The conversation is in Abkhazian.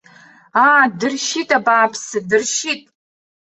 Аа, дыршьит, абааԥсы, дыршьит!